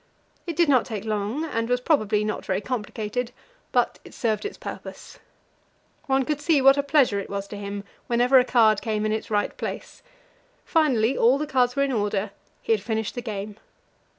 It did not take long, and was probably not very complicated, but it served its purpose. One could see what a pleasure it was to him whenever a card came in its right place. Finally, all the cards were in order; he had finished the game.